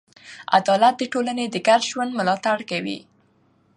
عدالت د ټولنې د ګډ ژوند ملاتړ کوي.